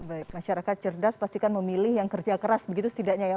baik masyarakat cerdas pastikan memilih yang kerja keras begitu setidaknya ya